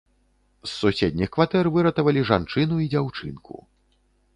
З суседніх кватэр выратавалі жанчыну і дзяўчынку.